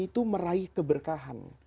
itu meraih keberkahan